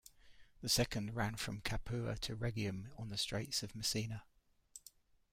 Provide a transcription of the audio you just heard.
The second ran from Capua to Rhegium on the Straits of Messina.